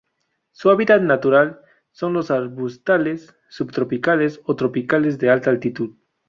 Su hábitat natural son los arbustales subtropicales o tropicales de alta altitud.